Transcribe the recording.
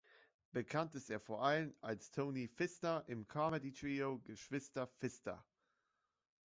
Bekannt ist er vor allem als "Toni Pfister" im Comedy-Trio "Geschwister Pfister".